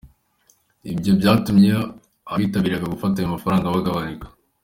Ibyo byatumye abitabiraga gufata ayo mafaranga bagabanyuka.